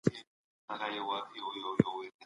ناروغ بې درملنه ژوند ستونزمن کوي.